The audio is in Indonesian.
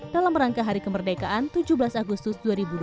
dalam rangka hari kemerdekaan tujuh belas agustus dua ribu dua puluh